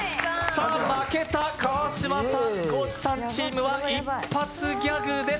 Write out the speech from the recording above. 負けた川島さん、高地さんチームは一発ギャグです。